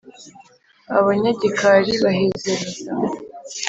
Abanyagikari bahezereza